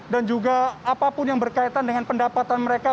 dan juga apapun yang berkaitan dengan pendapatan mereka